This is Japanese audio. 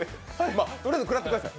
とりあえずくらってください。